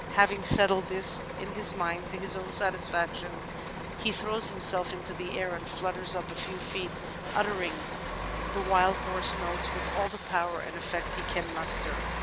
Having settled this in his mind to his own satisfaction, he throws himself into the air and flutters up a few feet, uttering the while hoarse notes with all the power and effect he can muster.